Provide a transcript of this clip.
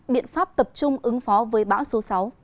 biện pháp tập trung ứng phó với bão số sáu